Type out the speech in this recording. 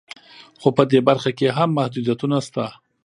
خو په دې برخه کې هم محدودیتونه شته